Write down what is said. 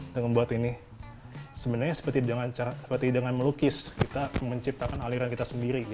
dan membuat ini sebenarnya seperti dengan melukis kita menciptakan aliran kita sendiri